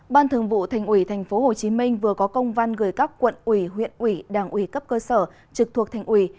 ban thường vụ thành ủy tp hcm vừa có công văn gửi các quận ủy huyện ủy đảng ủy cấp cơ sở trực thuộc thành ủy